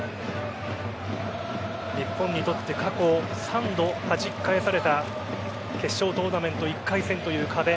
日本にとって過去３度はじき返された決勝トーナメント１回戦という壁。